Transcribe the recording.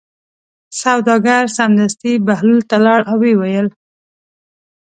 سوداګر سمدستي بهلول ته لاړ او ویې ویل.